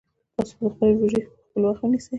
تاسو باید خپلې روژې په وخت ونیسئ